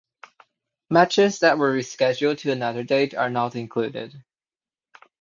Matches that were rescheduled to another date are not included.